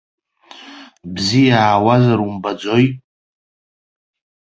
Бзиа аауазар умбаӡои!